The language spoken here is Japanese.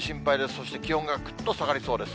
そして気温がぐっと下がりそうです。